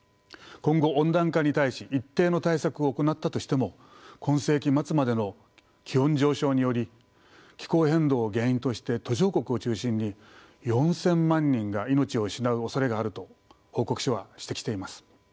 今後温暖化に対し一定の対策を行ったとしても今世紀末までの気温上昇により気候変動を原因として途上国を中心に４，０００万人が命を失うおそれがあると報告書は指摘しています。